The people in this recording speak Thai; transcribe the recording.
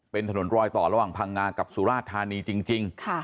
เป็นถนนรอยต่อระหว่างพังงากับสุราชธานีจริง